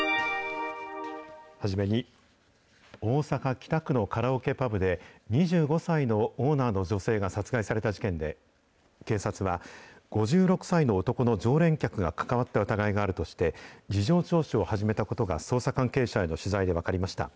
初めに、大阪・北区のカラオケパブで、２５歳のオーナーの女性が殺害された事件で、警察は、５６歳の男の常連客が関わった疑いがあるとして、事情聴取を始めたことが捜査関係者への取材で分かりました。